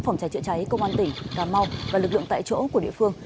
phòng cháy chữa cháy công an tỉnh cà mau và lực lượng tại chỗ của địa phương